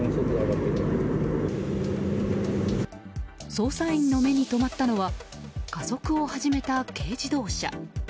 捜査員の目に留まったのは加速を始めた軽自動車。